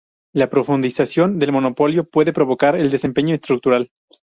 La profundización del monopolio puede provocar el desempleo estructural.